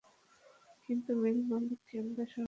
কিন্তু মিল মালিক কিংবা সরকারের পক্ষ থেকে ধান কেনা হচ্ছে না।